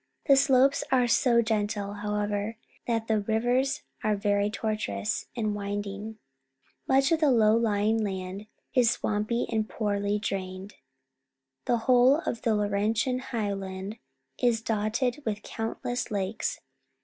The slopes are so gentle, however, that the rivers are very tortuous and winding. ]\Iuch of the low lying land is swampy and poorly Mount Robson, Robson Park, British Columbia drained. The whole of the Laurentian High land is dotted with countless lakes.